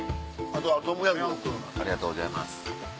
ありがとうございます。